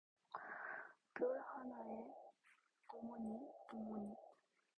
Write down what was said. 별 하나에 어머니, 어머니